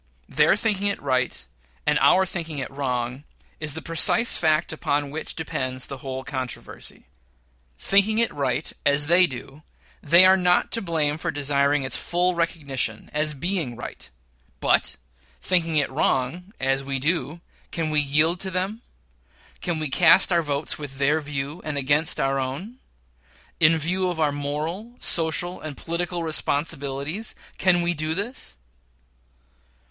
Their thinking it right and our thinking it wrong is the precise fact upon which depends the whole controversy. Thinking it right, as they do, they are not to blame for desiring its full recognition, as being right; but thinking it wrong, as we do, can we yield to them? Can we cast our votes with their view, and against our own? In view of our moral, social, and political responsibilities, can we do this?